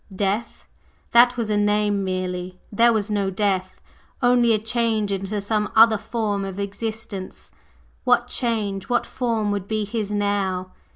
Death? That was a name merely; there was no death, only a change into some other form of existence. What change what form would be his now?